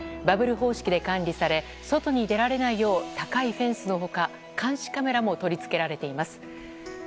バブル方式で管理され外に出られないよう高いフェンスの他監視カメラも取り付けられています。